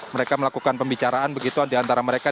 mereka melakukan pembicaraan begitu di antara mereka